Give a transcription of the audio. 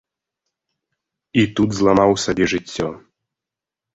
І тут зламаў сабе жыццё.